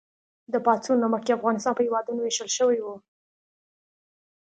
د پاڅون نه مخکې افغانستان په هېوادونو ویشل شوی و.